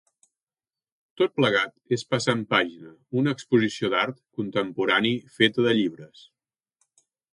Tot plegat és "Passant Pàgina", una exposició d'art contemporani feta de llibres.